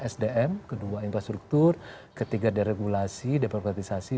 sdm kedua infrastruktur ketiga deregulasi demokratisasi